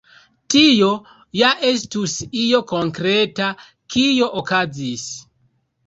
Tio ja estus io konkreta, kio okazis.